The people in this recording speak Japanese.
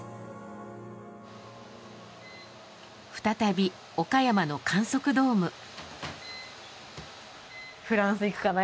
再び、岡山の観測ドーム。